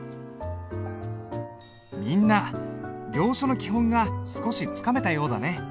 みんな行書の基本が少しつかめたようだね。